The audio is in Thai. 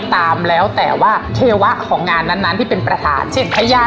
ตามแล้วแต่ว่าเทวะของงานนั้นที่เป็นประธานเช่นพญา